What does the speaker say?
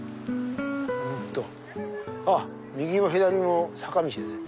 あっ右も左も坂道ですよ。